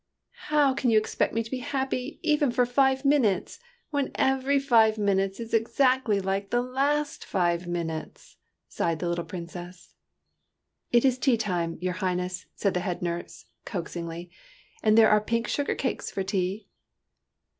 '' How can you expect me to be happy, even for five minutes, when every five minutes is exactly like the last five minutes ?" sighed the little Princess. " It is tea time, your Highness," said the head nurse, coaxingly, " and there are pink sugar cakes for tea